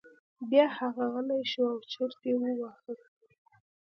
بیا هغه غلی شو او چرت یې وواهه.